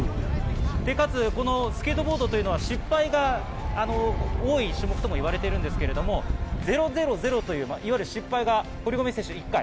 かつスケートボードというのは失敗が多い種目とも言われているんですが、０．００という、いわゆる失敗が堀米選手１回。